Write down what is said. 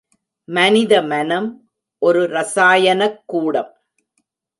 மனிதமனம் ஒரு ரசாயனக் கூடம்.